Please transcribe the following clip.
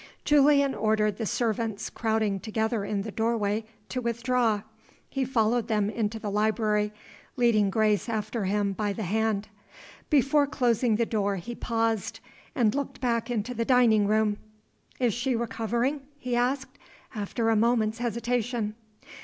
Julian ordered the servants crowding together in the doorway to withdraw. He followed them into the library, leading Grace after him by the hand. Before closing the door he paused, and looked back into the dining room. "Is she recovering?" he asked, after a moment's hesitation.